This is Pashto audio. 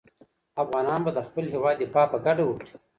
افغانان به د خپل هېواد دفاع په ګډه وکړي.